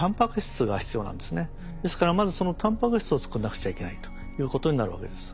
ですからまずそのタンパク質を作らなくちゃいけないということになるわけです。